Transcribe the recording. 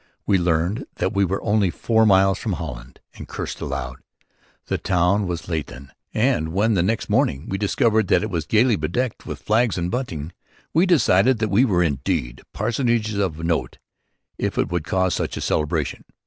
We learned that we were only four miles from Holland, and cursed aloud. The town was Lathen and when, the next morning, we discovered that it was gayly bedecked with flags and bunting we decided that we were indeed personages of note if we could cause such a celebration.